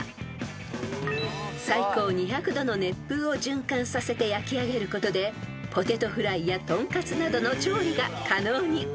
［最高２００℃の熱風を循環させて焼き上げることでポテトフライやとんかつなどの調理が可能に］